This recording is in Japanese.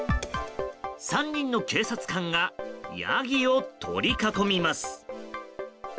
３人の警察官がヤギを取り囲みます。